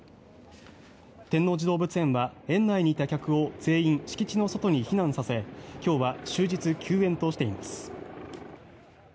天王寺動物園は園内にいた客を全員、敷地の外に避難させ今日は終日休園としています。